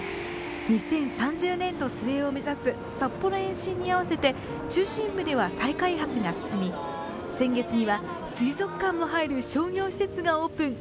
２０３０年度末を目指す札幌延伸に合わせて中心部では再開発が進み先月には、水族館も入る商業施設がオープン。